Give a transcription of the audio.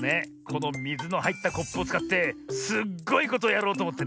このみずのはいったコップをつかってすっごいことをやろうとおもってねえ。